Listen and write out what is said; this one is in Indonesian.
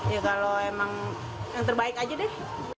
ya kalau emang yang terbaik aja deh